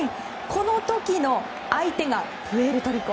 この時の相手がプエルトリコ。